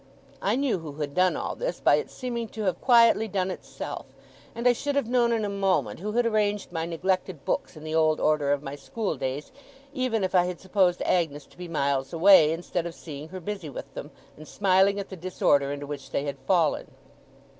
I knew who had done all this, by its seeming to have quietly done itself; and I should have known in a moment who had arranged my neglected books in the old order of my school days, even if I had supposed Agnes to be miles away, instead of seeing her busy with them, and smiling at the disorder into which they had fallen.